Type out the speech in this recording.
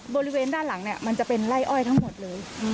บริเวณด้านหลังเนี่ยมันจะเป็นไล่อ้อยทั้งหมดเลย